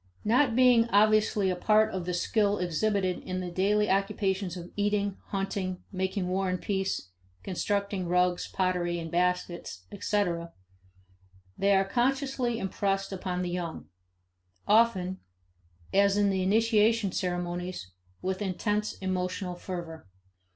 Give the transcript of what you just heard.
Not being obviously a part of the skill exhibited in the daily occupations of eating, hunting, making war and peace, constructing rugs, pottery, and baskets, etc., they are consciously impressed upon the young; often, as in the initiation ceremonies, with intense emotional fervor.